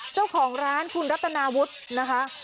เจ้าของร้านคุณรัตนาวุฒินะคะ